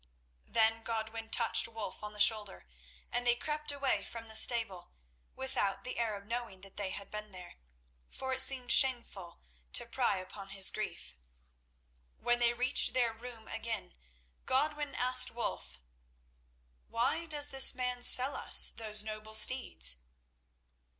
Then Godwin touched Wulf on the shoulder, and they crept away from the stable without the Arab knowing that they had been there, for it seemed shameful to pry upon his grief. When they reached their room again Godwin asked Wulf: "Why does this man sell us those noble steeds?"